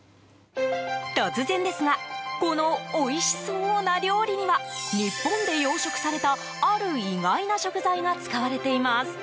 突然ですがこの、おいしそうな料理には日本で養殖されたある意外な食材が使われています。